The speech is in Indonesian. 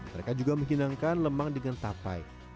mereka juga menghilangkan lemang dengan tapai